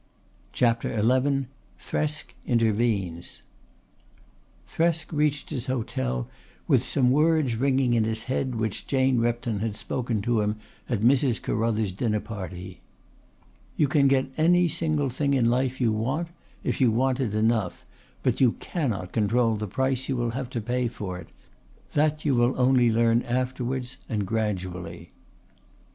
CHAPTER XI THRESK INTERVENES Thresk reached his hotel with some words ringing in his head which Jane Repton had spoken to him at Mrs. Carruthers' dinner party: "You can get any single thing in life you want if you want it enough, but you cannot control the price you will have to pay for it. That you will only learn afterwards and gradually."